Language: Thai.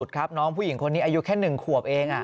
ครับน้องผู้หญิงคนนี้อายุแค่๑ขวบเอง